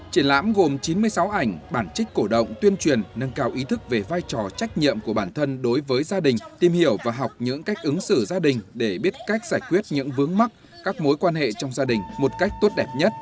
triển lãm gồm chín mươi sáu ảnh bản trích cổ động tuyên truyền nâng cao ý thức về vai trò trách nhiệm của bản thân đối với gia đình tìm hiểu và học những cách ứng xử gia đình để biết cách giải quyết những vướng mắt các mối quan hệ trong gia đình một cách tốt đẹp nhất